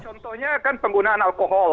contohnya kan penggunaan alkohol